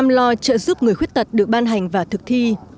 nhân sách nhằm bảo vệ chăm lo trợ giúp người khuyết tật được ban hành và thực thi